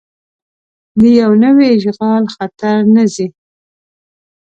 د یو نوي اشغال خطر نه ځي.